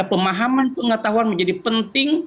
pemahaman pengetahuan menjadi penting